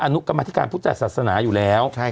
อนุกรรมธิการพุทธศาสนาอยู่แล้ว